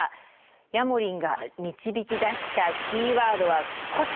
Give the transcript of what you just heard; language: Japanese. ヤモリンが導き出したキーワードはこちらです。